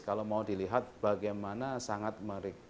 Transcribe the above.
kalau mau dilihat bagaimana sangat merik